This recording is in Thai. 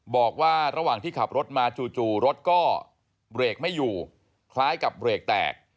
บอกว่าระหว่างที่ขับรถมาจู่รถก็เบรกไม่อยู่คล้ายกับเบรกแตก